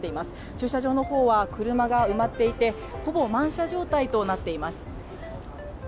駐車場のほうは車が埋まっていて、ほぼ満車状態となっています。